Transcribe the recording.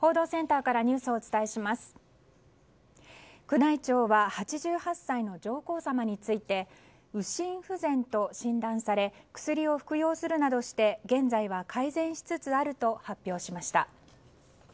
宮内庁は８８歳の上皇さまについて右心不全と診断され薬を服用するなどして現在は改善しつつあると発表しました。